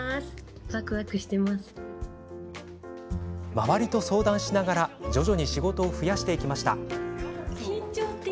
周りと相談しながら徐々に仕事を増やしていきました。